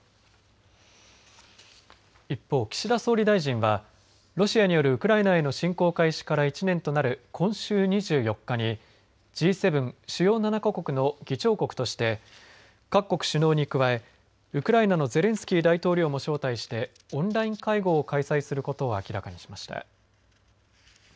一方、岸田総理大臣はロシアによるウクライナへの侵攻開始から１年となる今週２４日にＧ７、主要７か国の議長国として各国首脳に加え、ウクライナのゼレンスキー大統領も招待してオンライン会合を開催することを明らかにしました。